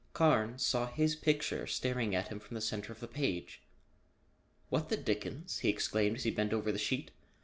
Carnes saw his picture staring at him from the center of the page. "What the dickens?" he exclaimed as he bent over the sheet.